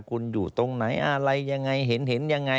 คุณอยู่ตรงไหนอะไรยังไงเห็นยังไง